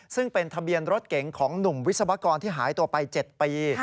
ซึ่งเป็นทะเบียนรถเก๋งของหนุ่มวิศวกรที่หายตัวไป๗ปี